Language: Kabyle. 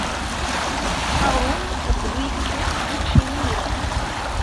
Aɣrum akked uyefki d uččiyen yelhan.